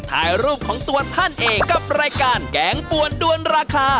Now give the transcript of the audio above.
ถ่ายรูปของตัวท่านเองกับรายการแกงปวนด้วนราคา